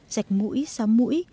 sạch mũi xóm mũi